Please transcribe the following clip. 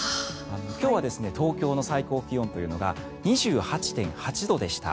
今日は東京の最高気温というのが２８．８度でした。